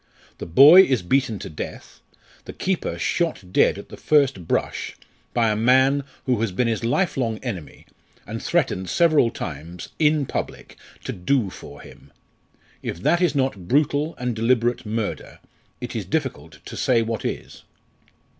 The boy is beaten to death, the keeper shot dead at the first brush by a man who has been his life long enemy, and threatened several times in public to 'do for him.' If that is not brutal and deliberate murder, it is difficult to say what is!"